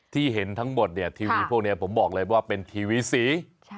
ที่เห็นทั้งหมดเนี่ยทีวีพวกนี้ผมบอกเลยว่าเป็นทีวีสี